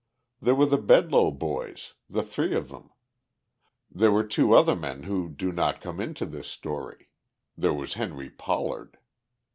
There were the Bedloe boys, the three of them. There were two other men who do not come into this story. There was Henry Pollard.